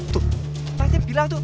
tuh patihan bilang tuh